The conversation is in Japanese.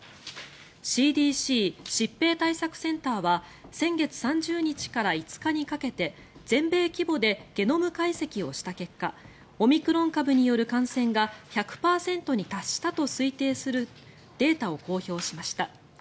ＣＤＣ・疾病対策センターは先月３０日から５日にかけて全米規模でゲノム解析をした結果オミクロン株による感染が１００％に達したと推定するデータを公表しました。